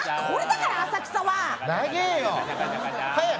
これだから浅草は！